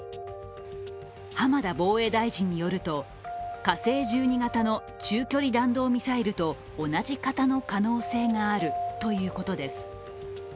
浜田防衛大臣によると火星１２型の中距離弾道ミサイルと同じ型の可能性があるということです。